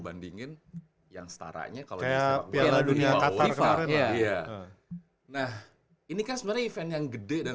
bandingin yang setara nya kayak piala dunia qatar kemarin lah iya nah ini kan sebenarnya event yang gede dan